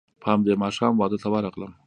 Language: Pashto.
په همدې ماښام واده ته ورغلم.